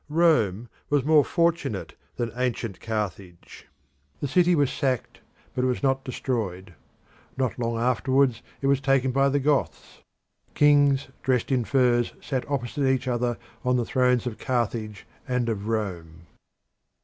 Rome was more fortunate than ancient Carthage: the city was sacked, but it was not destroyed. Not long afterwards it was taken by the Goths. Kings dressed in furs sat opposite each other on the thrones of Carthage and of Rome.